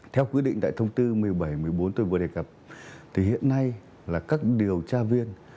theo quyết định tại thông tư một mươi bảy một mươi bốn tôi vừa đề cập thì hiện nay là các điều tra viên